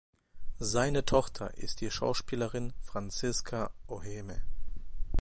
Seine Tochter ist die Schauspielerin Franziska Oehme.